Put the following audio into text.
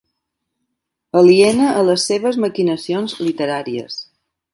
Aliena a les seves maquinacions literàries.